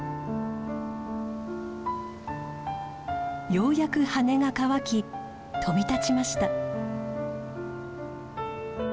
ようやく羽が乾き飛び立ちました。